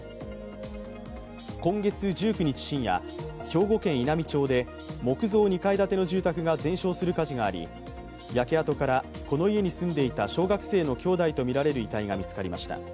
今月１９日深夜、兵庫県稲美町で木造２階建ての住宅が全焼する火事があり、焼け跡から、この家に住んでいた小学生の兄弟とみられる遺体が見つかりました。